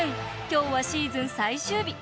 今日はシーズン最終日。